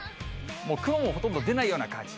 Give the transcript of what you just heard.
もう雲もほとんど出ないような感じ。